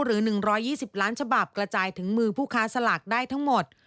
หรือ๑๒๐ล้านฉบับกระจายถึงมือผู้ค้าสลากได้ทั้งหมด